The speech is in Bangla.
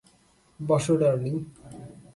বসো, ডার্লিং।